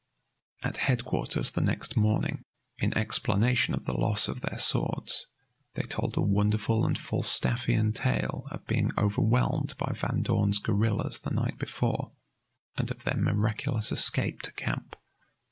At headquarters the next morning, in explanation of the loss of their swords, they told a wonderful and Falstaffian tale of being overwhelmed by Van Dorn's guerrillas the night before, and of their miraculous escape to camp.